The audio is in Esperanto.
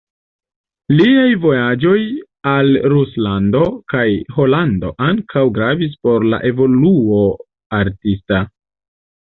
Liaj vojaĝoj al Ruslando kaj Holando ankaŭ gravis por la evoluo artista.